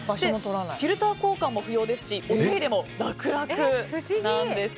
フィルター交換も不要ですしお手入れも楽々なんです。